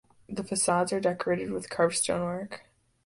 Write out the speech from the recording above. The facades are decorated with carved stonework.